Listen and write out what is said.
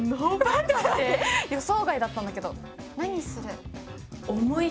予想外だったんだけど。